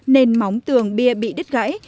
nên móng tường bia bị đứt gãy